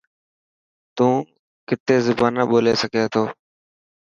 تو ڪتي زبانا ٻولي سگھي ٿو.